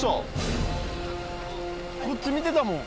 こっち見てたもん。